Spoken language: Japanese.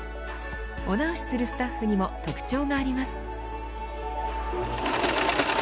お直しするスタッフにも特徴があります。